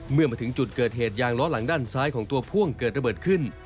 เมื่อมาถึงจุดเกิดเหตุยางล้อหลังด้านซ้ายของตัวพ่วงเกิดระเบิดขึ้น